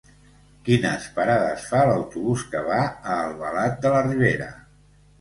Quines parades fa l'autobús que va a Albalat de la Ribera?